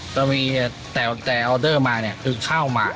ต้องมีแต่ออเดอร์มาเนี่ยคือข้าวหมา